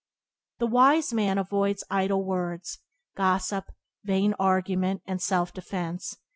The wise man avoids idle words, gossip, vain argument, and self defence.